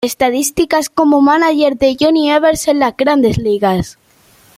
Estadísticas como mánager de Johnny Evers en las Grandes Ligas.